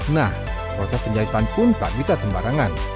nah proses penjahitan pun tak bisa sembarangan